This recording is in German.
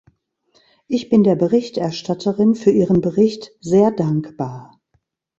Ich bin der Berichterstatterin für ihren Bericht sehr dankbar.